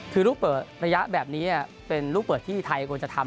คือลูกเปิดระยะแบบนี้เป็นลูกเปิดที่ไทยควรจะทำ